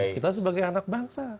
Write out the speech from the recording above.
kita sebagai anak bangsa